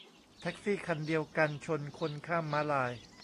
แท็กซี่คันเดียวกันชนคนข้ามม้าลาย